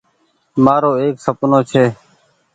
مآرو ايڪ سپنو ڇي۔